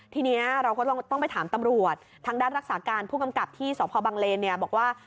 ทีนี้เราก็ต้องไปถามตำรวจทางด้านรักษาการผู้กำกับที่สพบังเลนเนี่ยบอกว่า